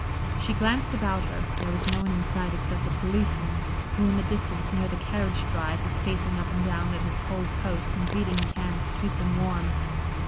She glanced about her; there was no one in sight except the policeman, who in the distance near the carriage drive, was pacing up and down at his cold post and beating his hands to keep them warm.